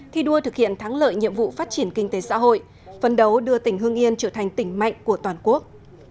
thi đua thực hiện thắng lợi nhiệm vụ phát triển kinh tế xã hội phân đấu đưa tỉnh hương yên trở thành tỉnh mạnh của toàn quốc